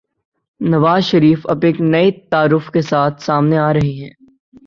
نوازشریف اب ایک نئے تعارف کے ساتھ سامنے آرہے ہیں۔